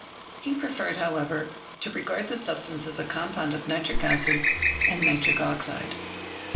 He preferred, however, to regard this substance as a compound of nitric acid and nitric oxide.